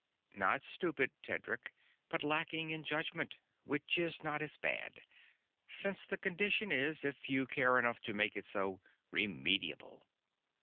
"Not stupid, Tedric, but lacking in judgment, which is not as bad; since the condition is, if you care enough to make it so, remediable.